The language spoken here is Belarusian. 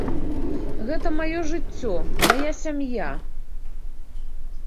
Гэта маё жыццё, мая сям'я.